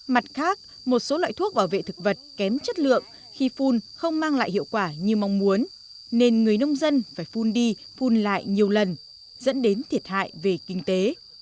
mặt khác một số loại thuốc bảo vệ thực vật kém chất lượng khi phun không mang lại hiệu quả như mong muốn nên người nông dân phải phun đi phun lại nhiều lần dẫn đến thiệt hại về kinh tế